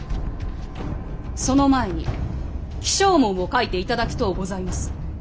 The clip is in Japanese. その前に起請文を書いていただきとうございます。